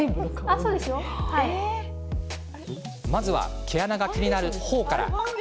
まずは、毛穴が気になるほおから。